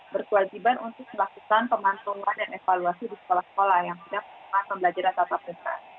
berkewajiban untuk melakukan pemantauan dan evaluasi di sekolah sekolah yang sudah melakukan pembelajaran tatap muka